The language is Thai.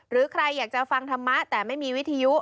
หรือใครอยากจะฟังธรรมะแต่ไม่มีวิทยุ